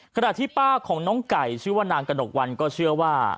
ขณะที่ป้าของน้องไก่ชื่อว่านางกระหนกวันก็เชื่อว่า